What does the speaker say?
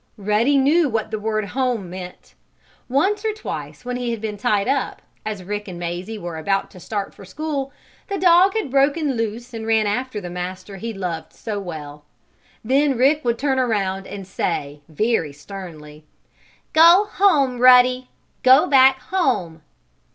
Ruddy knew what that word "home" meant. Once or twice, when he had been tied up, as Rick and Mazie were about to start for school, the dog had broken loose and run after the master he loved so well. Then Rick would turn about and say, very sternly: "Go home, Ruddy! Go back home!"